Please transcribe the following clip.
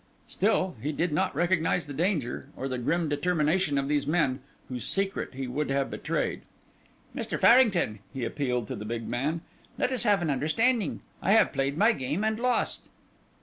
Still he did not realize the danger, or the grim determination of these men whose secret he would have betrayed. "Mr. Farrington," he appealed to the big man, "let us have an understanding. I have played my game and lost."